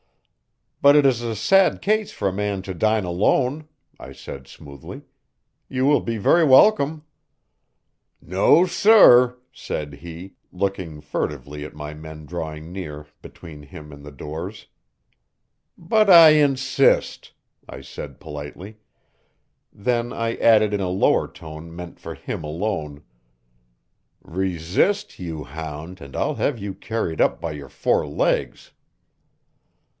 "But it is a sad case for a man to dine alone," I said smoothly. "You will be very welcome." "No, sir," said he, looking furtively at my men drawing near, between him and the doors. "But I insist," I said politely. Then I added in a lower tone meant for him alone: "Resist, you hound, and I'll have you carried up by your four legs."